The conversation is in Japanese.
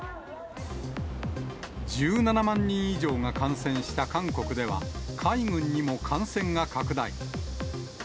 １７万人以上が感染した韓国では、海軍にも感染が拡大。